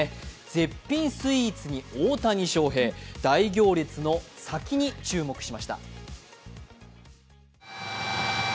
絶品スイーツに大谷翔平、大行列の先に注目しました。